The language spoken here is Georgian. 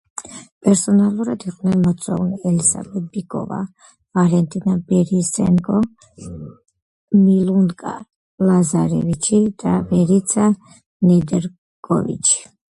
პერსონალურად იყვნენ მოწვეულნი: ელისაბედ ბიკოვა, ვალენტინა ბორისენკო, მილუნკა ლაზარევიჩი და ვერიცა ნედელკოვიჩი.